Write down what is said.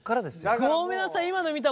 ごめんなさい